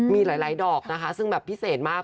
มีหลายดอกนะคะซึ่งแบบพิเศษมาก